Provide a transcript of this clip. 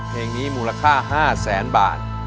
เพลงนี้มูลค่า๕๐๐๐๐๐บาท